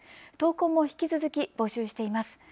投稿も引き続き、募集しています。